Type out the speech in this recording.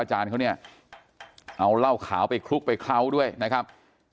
อาจารย์เขาเนี่ยเอาเหล้าขาวไปคลุกไปเคล้าด้วยนะครับ